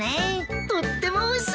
とってもおいしいです。